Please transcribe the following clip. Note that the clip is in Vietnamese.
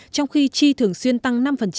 trong khi chi thường xuyên tăng năm